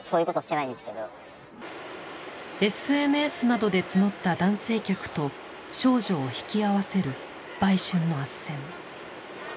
ＳＮＳなどで募った男性客と少女を引き合わせる売春のあっせん。